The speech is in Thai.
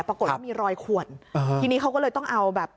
ปรากฏว่ามีรอยขวนอ่าทีนี้เขาก็เลยต้องเอาแบบ